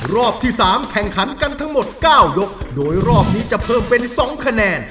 รอบที่๓แข่งขันกันทั้งหมด๙ยกโดยรอบนี้จะเพิ่มเป็น๒คะแนน